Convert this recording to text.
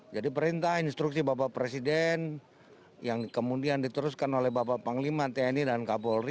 jadi perintah instruksi bapak presiden yang kemudian diteruskan oleh bapak panglima tni dan kapolri